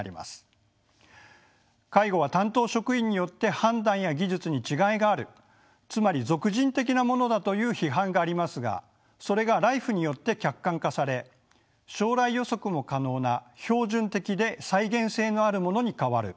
介護は担当職員によって判断や技術に違いがあるつまり属人的なものだという批判がありますがそれがＬＩＦＥによって客観化され将来予測も可能な標準的で再現性のあるものに変わる